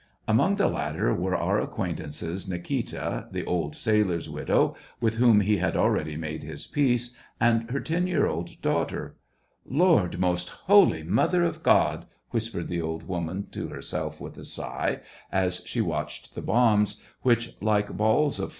Among the latter were our acquaintances Nikita, the old sailor's widow, with whom he had already made his peace, and her ten year old daughter. "Lord, Most Holy Mother of God!" whispered the old woman to herself with a sigh, as she watched the bombs, which, like balls of SEVASTOPOL IN MAY.